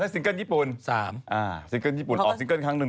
ซิงเกิ้ลญี่ปุ่น๓ซิงเกิ้ลญี่ปุ่นออกซิงเกิ้ลครั้งหนึ่ง